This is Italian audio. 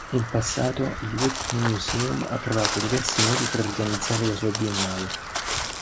In passato, il Whitney Museum ha provato diversi modi per organizzare la sua biennale.